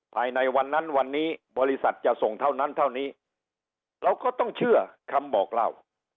ภายในวันนั้นวันนี้บริษัทจะส่งเท่านั้นเท่านี้เราก็ต้องเชื่อคำบอกเล่า